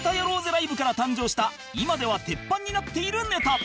ライブから誕生した今では鉄板になっているネタ